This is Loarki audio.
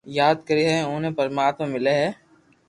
ياد ڪري ھي اوني پرماتما ملي ھي